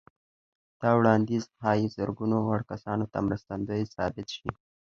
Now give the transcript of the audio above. دا وړانديز ښايي زرګونه وړ کسانو ته مرستندوی ثابت شي.